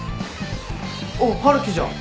おっ春樹じゃん。